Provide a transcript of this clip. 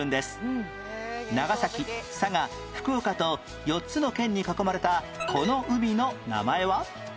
長崎佐賀福岡と４つの県に囲まれたこの海の名前は？